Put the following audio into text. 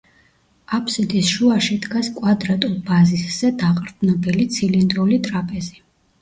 აფსიდის შუაში დგას კვადრატულ ბაზისზე დაყრდნობილი, ცილინდრული ტრაპეზი.